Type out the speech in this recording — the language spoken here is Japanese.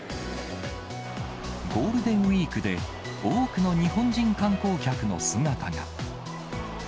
ゴールデンウィークで多くの日本人観光客の姿が。